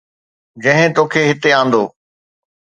جنهن توکي هتي آندو